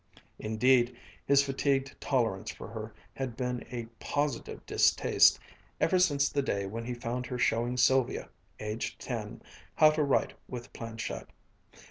Indeed, his fatigued tolerance for her had been a positive distaste ever since the day when he found her showing Sylvia, aged ten, how to write with planchette.